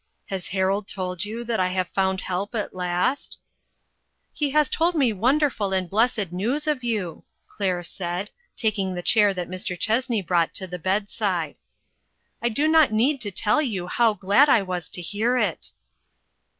Has Harold told you that I have found help at last ?"" He has told me wonderful and blessed news of you," Claire said, taking the chair that Mr. Chessney brought to the bedside. " I do not need to tell you how glad I was to hear it.